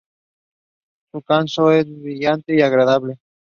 Su canto es vibrante y agradable.